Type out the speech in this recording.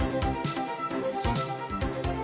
hẹn gặp lại